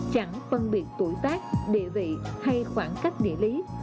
chẳng phân biệt tuổi tác địa vị hay khoảng cách địa lý